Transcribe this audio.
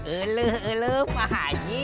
eluh eluh pak haji